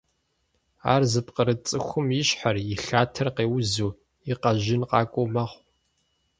Ар зыпкъырыт цӀыхум и щхьэр, и лъатэр къеузу, и къэжьын къакӀуэу мэхъу.